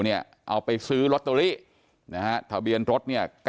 เอาไปซื้อรถตัวลิทะเบียนรถ๙๗๔๑